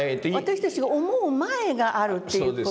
私たちが思う前があるという事をね。